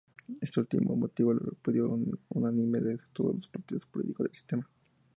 Este último motivó el repudio unánime de todos los partidos políticos del sistema.